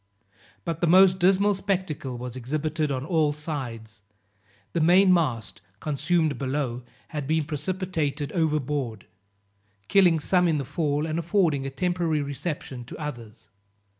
But the most dismal spectacle was exhibited on all sides; the main mast, consumed below, had been precipitated overboard, killing some in the fall, and affording a temporary reception to others.